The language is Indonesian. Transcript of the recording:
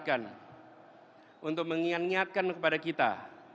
ya tuhan yang maha pengasihi